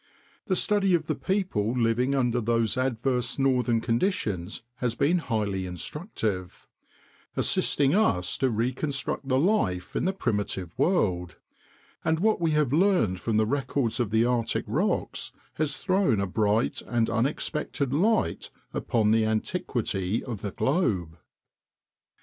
The study of the people living under those adverse northern conditions has been highly instructive, assisting us to reconstruct the life in the primitive world; and what we have learned from the records of the Arctic rocks has thrown a bright and unexpected light upon the antiquity of the globe.